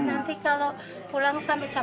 nanti kalau pulang sampai campur